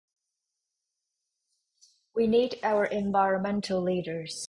We need our environmental leaders.